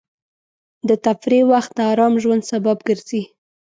د تفریح وخت د ارام ژوند سبب ګرځي.